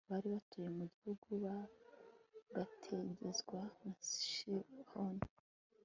bari batuye mu gihugu bagategekwa na sihoni